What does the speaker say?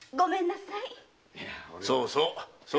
そうそう。